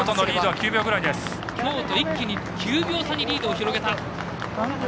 京都、一気に９秒差にリードを広げた。